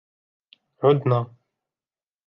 عدنا.